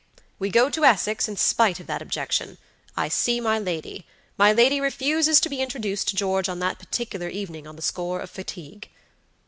We go to Essex in spite of that objection. I see my lady. My lady refuses to be introduced to George on that particular evening on the score of fatigue."